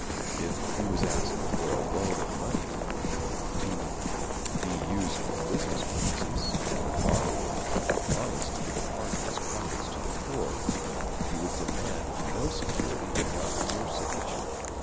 If he was asked for a loan of money, to be used for business purposes, and the borrower promised to give a part of his profits to the poor, he would demand no security beyond a mere signature.